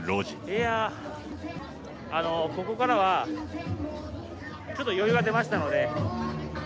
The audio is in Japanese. いやあ、ここからはちょっと余裕が出ましたので。